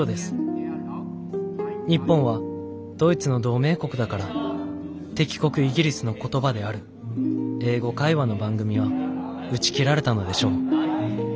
日本はドイツの同盟国だから敵国イギリスの言葉である英語会話の番組は打ち切られたのでしょう。